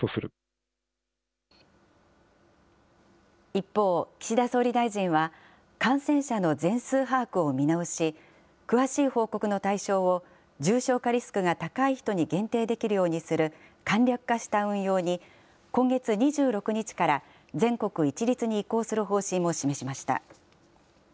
一方、岸田総理大臣は、感染者の全数把握を見直し、詳しい報告の対象を、重症化リスクが高い人に限定できるようにする簡略化した運用に、今月２６日から全国一律に移行する方針を示しました。